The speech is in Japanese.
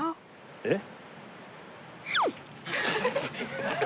えっ？